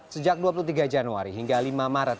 sejak dua puluh tiga januari hingga lima maret